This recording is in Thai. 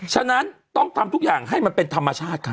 ฉะนั้นต้องทำทุกอย่างให้มันเป็นธรรมชาติค่ะ